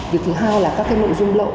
việc thứ hai là các nội dung lộn